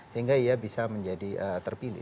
sehingga ia bisa menjadi terpilih